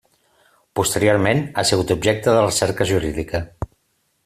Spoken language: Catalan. Posteriorment, ha sigut objecte de recerca jurídica.